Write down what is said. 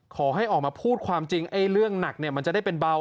ขอให้ออกมาพูดความจริงไอ้เรื่องหนักเนี่ยมันจะได้เป็นเบา